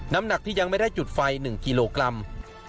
น้ำหนักที่ยังไม่ได้จุดไฟ๑กิโลกรัม